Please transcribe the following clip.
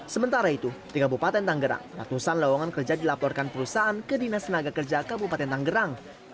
sementara itu di kabupaten tanggerang ratusan lawangan kerja dilaporkan perusahaan ke dinas tenaga kerja kabupaten tanggerang